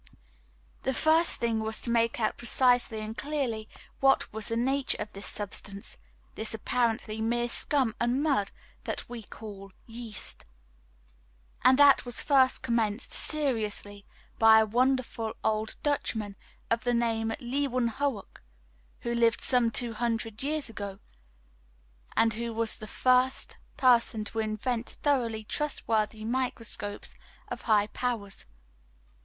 The first thing was to make out precisely and clearly what was the nature of this substance, this apparently mere scum and mud that we call yeast. And that was first commenced seriously by a wonderful old Dutchman of the name of Leeuwenhoek, who lived some two hundred years ago, and who was the first person to invent thoroughly trustworthy microscopes of high powers.